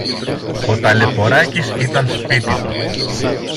Ο Ταλαιπωράκης ήταν σπίτι του.